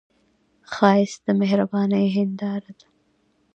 ښایست د مهرباني هنداره ده